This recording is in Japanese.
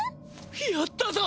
やったぞ！